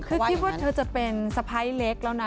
คือคิดว่าเธอจะเป็นสะพ้ายเล็กแล้วนะ